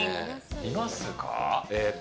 いますか？